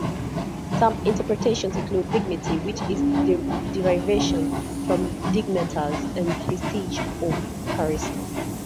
Some interpretations include "dignity", which is a "derivation" from "dignitas", and "prestige" or "charisma".